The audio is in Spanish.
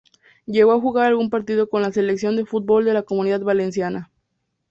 Llegó a jugar algún partido con la Selección de fútbol de la Comunidad Valenciana.